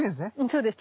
そうです。